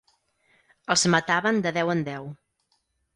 Els mataven de deu en deu.